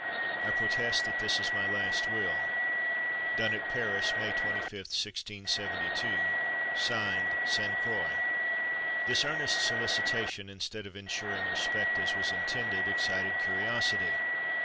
I protest that this is my last will. Done at Paris, May 25, 1672. (Signed) SAINTE CROIX." This earnest solicitation, instead of insuring respect, as was intended, excited curiosity.